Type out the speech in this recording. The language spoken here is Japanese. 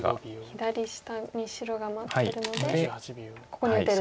左下に白が待ってるのでここに打てると。